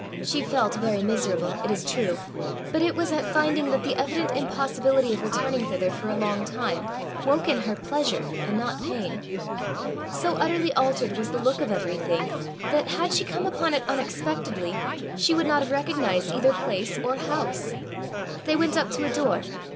She felt very miserable, it is true, but it was at finding that the evident impossibility of returning thither for a long time, woke in her pleasure and not pain. So utterly altered was the look of everything, that had she come upon it unexpectedly, she would not have recognized either place or house. They went up to a door.